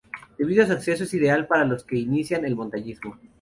Debido a su acceso es ideal para los que inician el montañismo.